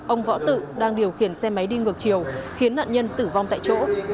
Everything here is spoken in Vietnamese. ông võ tự đang điều khiển xe máy đi ngược chiều khiến nạn nhân tử vong tại chỗ